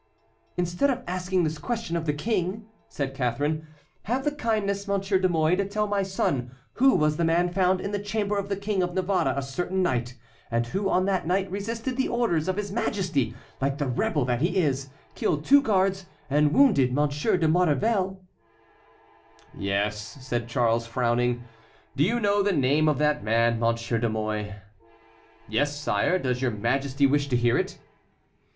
"Instead of asking this question of the King," said Catharine, "have the kindness, Monsieur de Mouy, to tell my son who was the man found in the chamber of the King of Navarre a certain night, and who on that night resisted the orders of his Majesty like the rebel that he is, killed two guards, and wounded Monsieur de Maurevel?" "Yes," said Charles, frowning, "do you know the name of that man, Monsieur de Mouy?" "Yes, sire; does your Majesty wish to hear it?"